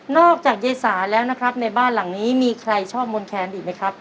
จากยายสาแล้วนะครับในบ้านหลังนี้มีใครชอบมนแคนอีกไหมครับ